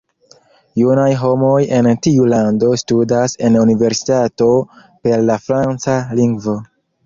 Junaj homoj en tiu lando studas en universitato per la franca lingvo.